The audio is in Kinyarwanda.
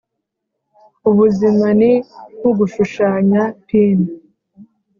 ubuzima ni nkugushushanya pin